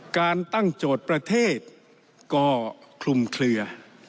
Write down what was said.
การตั้งโจทย์ประเทศก็คลุมเคลือ